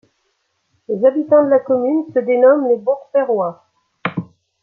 Les habitants de la commune se dénomment les beaurepairois.